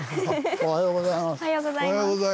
おはようございます。